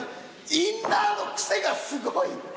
インナーのクセがすごい。